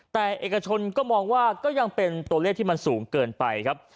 แต่เอกชนก็มองว่าก็ยังเป็นตัวเลขที่มันสูงเกินไปครับ